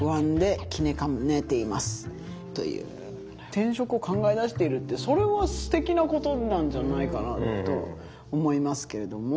転職を考えだしているってそれはすてきなことなんじゃないかなと思いますけれども。